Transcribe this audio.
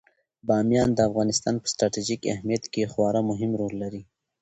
بامیان د افغانستان په ستراتیژیک اهمیت کې خورا مهم رول لري.